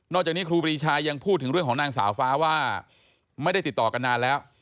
จากนี้ครูปรีชายังพูดถึงเรื่องของนางสาวฟ้าว่าไม่ได้ติดต่อกันนานแล้ว